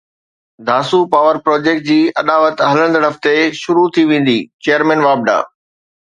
Dasu power project جي اڏاوت هلندڙ هفتي شروع ٿي ويندي چيئرمين واپڊا